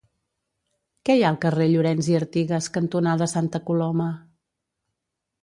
Què hi ha al carrer Llorens i Artigas cantonada Santa Coloma?